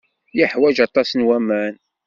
Yeḥwaj aṭas n waman.